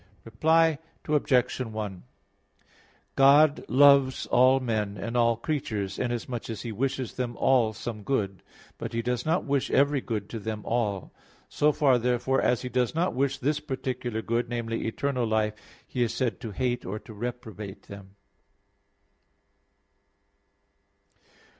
Reply Obj. 1: God loves all men and all creatures, inasmuch as He wishes them all some good; but He does not wish every good to them all. So far, therefore, as He does not wish this particular good namely, eternal life He is said to hate or reprobated them.